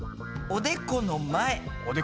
おでこの前。